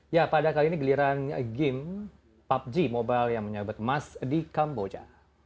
ya pada kali ini geliran game pubg mobile yang menyebut emas di kamboja